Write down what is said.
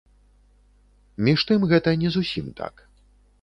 Між тым гэта не зусім так.